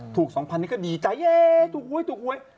ถูก๒๐๐๐บาทก็ดีใจเย้ถูกอุ๊ย